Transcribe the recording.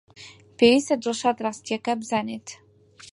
پێویستە دڵشاد ڕاستییەکە بزانێت.